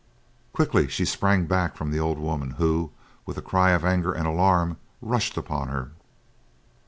Quickly she sprang back from the old woman who, with a cry of anger and alarm, rushed upon her.